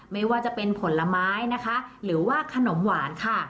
ไม่ว่าจะเป็นผลไม้นะคะหรือว่าขนมหวานค่ะ